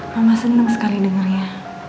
mama seneng sekali dengernya